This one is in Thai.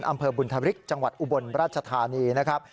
อำเภอบุญธริกจังหวัดอุบลราชธานีนะครับ